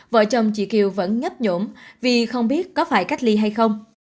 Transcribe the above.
vợ chồng chị kiều vẫn nhấp nhỗn vì không biết có phải cách ly hay không